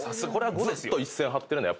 ずっと一線張ってるのはこれ。